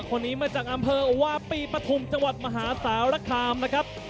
คนนี้มาจากอำเภอวาปีปฐุมจังหวัดมหาสารคามนะครับ